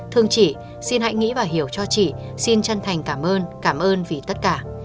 thương chị xin hãy nghĩ và hiểu cho chị xin chân thành cảm ơn cảm ơn vì tất cả